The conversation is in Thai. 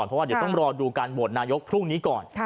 เพราะว่าเดี๋ยวต้องรอดูการโหวตนายกพรุ่งนี้ก่อน